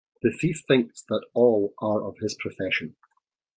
The thief thinks that all are of his profession.